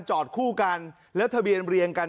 จอดคู่กันแล้วทะเบียนเรียงกัน